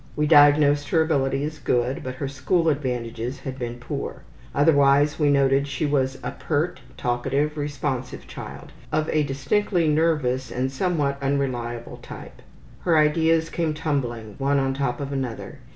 We diagnosed her ability as good, but her school advantages had been poor. Otherwise we noted she was a pert, talkative, responsive child, of a distinctly nervous and somewhat unreliable type. Her ideas came tumbling, one on top of another.